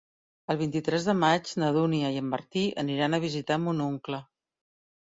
El vint-i-tres de maig na Dúnia i en Martí aniran a visitar mon oncle.